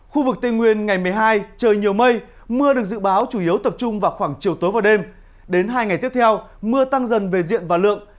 khu vực tây nguyên ngày một mươi hai trời nhiều mây mưa được dự báo chủ yếu tập trung vào khoảng chiều tối và đêm đến hai ngày tiếp theo mưa tăng dần về diện và lượng